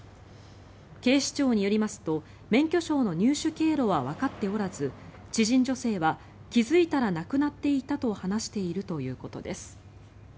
警視庁によりますと免許証の入手経路はわかっておらず知人女性は気付いたらなくなっていたと話しているということです。